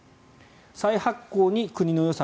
再発行に国の予算